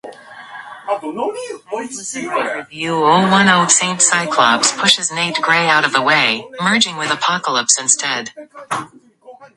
Cyclops pushes Nate Grey out of the way, merging with Apocalypse instead.